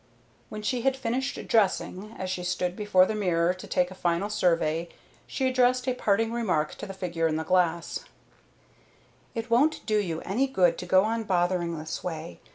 When she had finished dressing, as she stood before the mirror to take a final survey, she addressed a parting remark to the figure in the glass: "It won't do you any good to go on bothering this way.